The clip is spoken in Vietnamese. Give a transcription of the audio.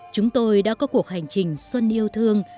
chúng tôi đã có cuộc hành trình xuân yêu thương